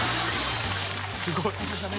すごい。